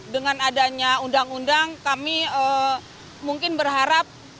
dengan adanya undang undang kami mungkin berharap